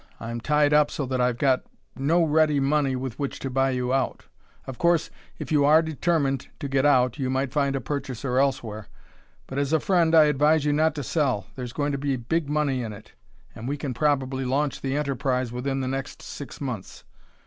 I'm tied up so that I've got no ready money with which to buy you out. Of course, if you are determined to get out, you might find a purchaser elsewhere. But as a friend I advise you not to sell. There's going to be big money in it, and we can probably launch the enterprise within the next six months.